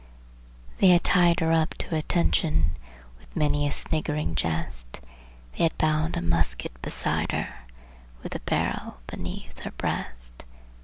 They had bound her up at attention, with many a sniggering jest! They had tied a rifle beside her, with the barrel beneath her breast!